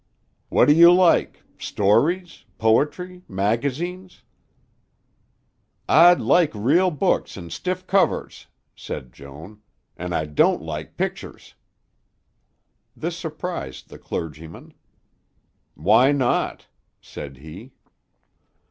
"What do you like stories, poetry, magazines?" "I'd like real books in stiff covers," said Joan, "an' I don't like pictures." This surprised the clergyman. "Why not?" said he.